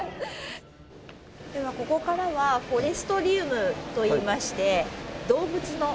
ではここからはフォレストリウムといいまして動物のエリアですね。